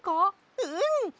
うん！